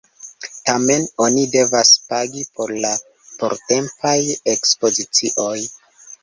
Tamen oni devas pagi por la portempaj ekspozicioj.